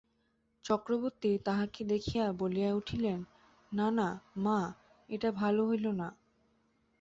চক্রবর্তী তাহাকে দেখিয়া বলিয়া উঠিলেন, না না মা, এটা ভালো হইল না।